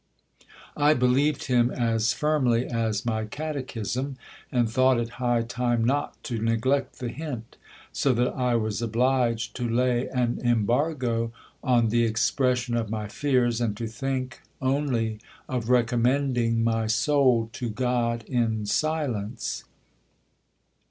1 believed him as firmly as my catechism, and thought it high time not to neglect the hint ; so that I was obliged to lay an embargo on the expression of my fears, and to think only of recommending my soul to God in silence.